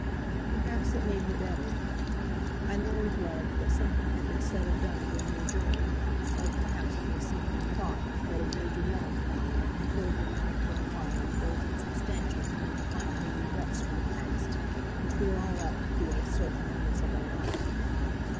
"Perhaps it may be better. I learned, love, that something had been said or done during your journey, or perhaps only something thought, that had made you melancholy, and filled your mind for a while with those unsubstantial and indefinable regrets for the past which we are all apt to feel at certain moments of our life.